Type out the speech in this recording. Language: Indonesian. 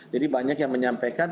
jadi banyak yang menyampaikan